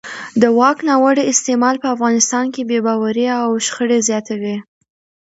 د واک ناوړه استعمال په افغانستان کې بې باورۍ او شخړې زیاتوي